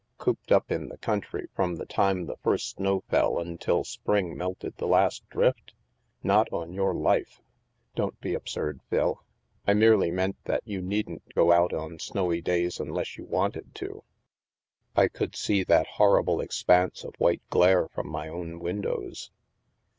Cooped up in the country from the time the first snow fell until spring melted the last drift? Not on your life!" THE MAELSTROM 193 "Don't be absurd, Phil. I merely meant that you needn't go out on snowy days unless you wanted to/' " I could see that horrible expanse of white glare from my own windows."